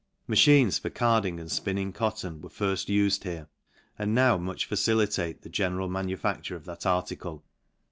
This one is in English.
Machines for carding and fpinning cotton were firft ufed here, and now much facilitate the general manufacture of that article.